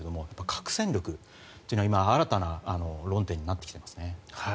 核戦力というのは新たな論点になってきていますね。